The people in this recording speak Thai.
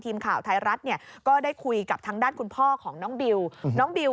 ทีมข่าวไทยรัฐเนี่ยก็ได้คุยกับทางด้านคุณพ่อของน้องบิวน้องบิว